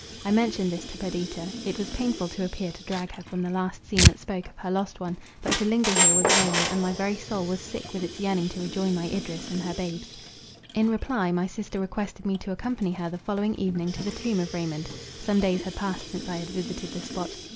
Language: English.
I mentioned this to Perdita. It was painful to appear to drag her from the last scene that spoke of her lost one; but to linger here was vain, and my very soul was sick with its yearning to rejoin my Idris and her babes. In reply, my sister requested me to accompany her the following evening to the tomb of Raymond. Some days had passed since I had visited the spot.